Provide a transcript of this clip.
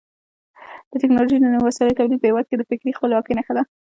د ټکنالوژۍ د نویو وسایلو تولید په هېواد کې د فکري خپلواکۍ نښه ده.